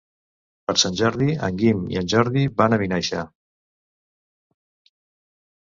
Per Sant Jordi en Guim i en Jordi van a Vinaixa.